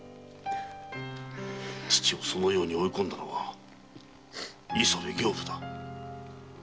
父をそのように追いこんだのは磯部刑部だ！